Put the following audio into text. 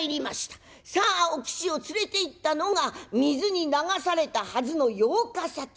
さあお吉を連れていったのが水に流されたはずの養家先。